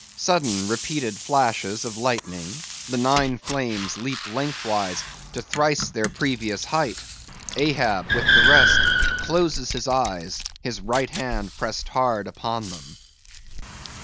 [_Sudden, repeated flashes of lightning; the nine flames leap lengthwise to thrice their previous height; Ahab, with the rest, closes his eyes, his right hand pressed hard upon them.